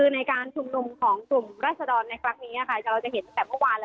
ในการจุดลงของกลุ่มราชดารในกลางก็จะเห็นแต่เมื่อวาน